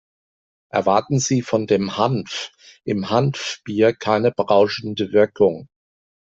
Erwarten Sie von dem Hanf im Hanfbier keine berauschende Wirkung.